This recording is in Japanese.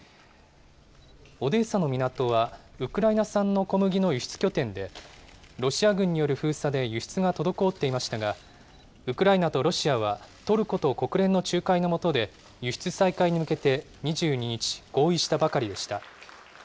オデーサの港はウクライナ産の小麦の輸出拠点で、ロシア軍による封鎖で輸出が滞っていましたが、ウクライナとロシアは、トルコと国連の仲介の下で、輸出再開に向けて２２日、合意したばかりでした。